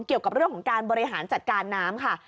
เกี่ยวกับเรื่องของการบริหารจัดการน้ำค่ะ